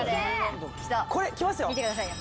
これきますよ！